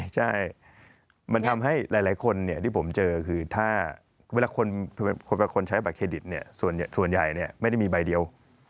ใช่มันทำให้หลายคนที่ผมเจอคือถ้าเวลาคนใช้บัตรเครดิตส่วนใหญ่ไม่ได้มีใบเดียว